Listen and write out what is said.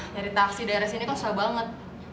dari taksi daerah sini kan susah banget